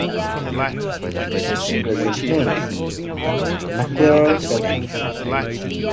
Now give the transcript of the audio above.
Mr. Miller renamed the company to its present name: McClure Telephone Company.